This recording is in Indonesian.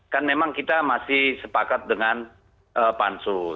kan memang kita masih sepakat dengan pansus